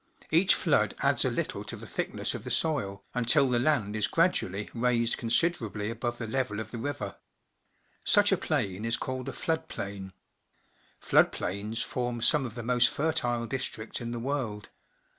Each flood adds a little to the thickness of the soil, until the land is gradually raised con siderably above the level of the river. Such a plain is called a flood plain. Flood plains form some of the most fertile districts in the world.